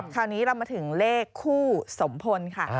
คราวนี้เรามาถึงเลขคู่สมพลค่ะ